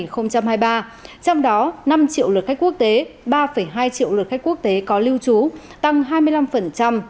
trong đó năm triệu lượt khách quốc tế ba hai triệu lượt khách quốc tế có lưu trú tăng hai mươi năm so với ước thực hiện năm hai nghìn hai mươi ba